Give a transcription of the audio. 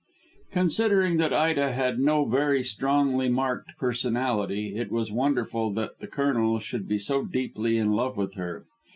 Considering that Ida had no very strongly marked personality, it was wonderful that the Colonel should be so deeply in love with her.